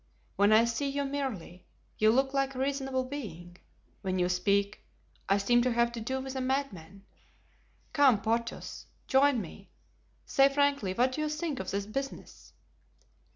When I see you merely, you look like a reasonable being; when you speak, I seem to have to do with a madman. Come, Porthos, join me; say frankly, what do you think of this business?"